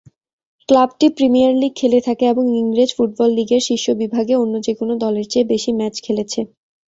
ক্লাবটি premier league খেলে থাকে এবং ইংরেজ ফুটবল লিগের শীর্ষ বিভাগে অন্য যেকোন দলের চেয়ে বেশি ম্যাচ খেলেছে।